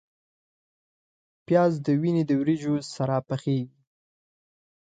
پیاز د وینې د وریجو سره پخیږي